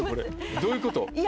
どういうこと？